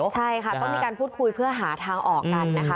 ใช่ค่ะต้องมีการพูดคุยเพื่อหาทางออกกันนะคะ